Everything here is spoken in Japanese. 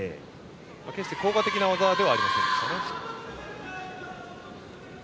決して効果的な技ではありませんでしたが。